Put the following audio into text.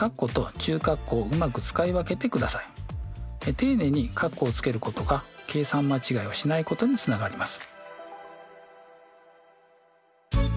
丁寧に括弧をつけることが計算間違いをしないことにつながります。